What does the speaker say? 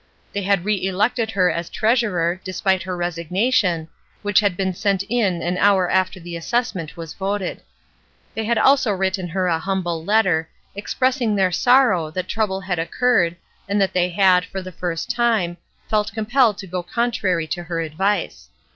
They had reelected her as treasurer, despite her resignation, which had been sent in an hour after the assessment was voted. They had also written her a humble letter, expressing their sorrow that trouble had occurred and that they had, for the first time, felt compelled to go contrary to her advice.